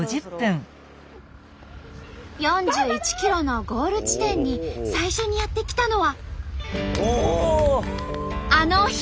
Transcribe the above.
４１ｋｍのゴール地点に最初にやって来たのは。